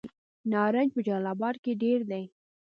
نارنج په جلال اباد کې ډیر دی.